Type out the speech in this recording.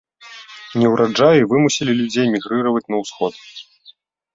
Неўраджаі вымусілі людзей мігрыраваць на ўсход.